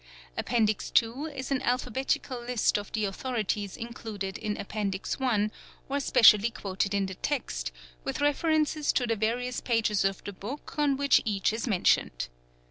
Appendix II. is an alphabetical list of the authorities included in Appendix I. or specially quoted in the text, with references to the various pages of the book on which each is mentioned.